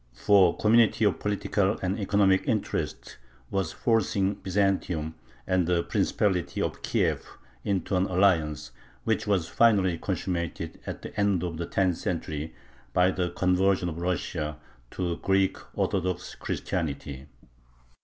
For community of political and economic interests was forcing Byzantium and the Principality of Kiev into an alliance, which was finally consummated at the end of the tenth century by the conversion of Russia to Greek Orthodox Christianity.